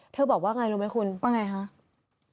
เธอบอกว่าไงรู้มั้ยคุณเป็นไงฮะ